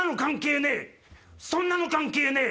そんなの関係ねえ